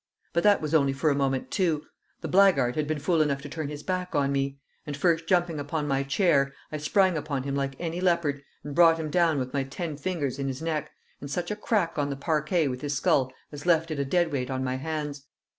But that was only for a moment, too; the blackguard had been fool enough to turn his back on me; and, first jumping upon my chair, I sprang upon him like any leopard, and brought him down with my ten fingers in his neck, and such a crack on the parquet with his skull as left it a deadweight on my hands.